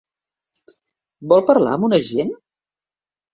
Vol parlar amb un agent?